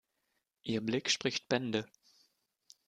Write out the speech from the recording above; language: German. Ihr Blick spricht Bände.